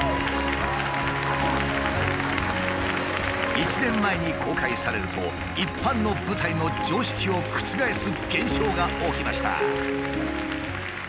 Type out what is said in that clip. １年前に公開されると一般の舞台の常識を覆す現象が起きました。